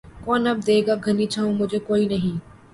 کون اب دے گا گھنی چھاؤں مُجھے، کوئی نہیں